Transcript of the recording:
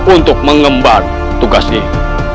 untuk mengemban tugas ini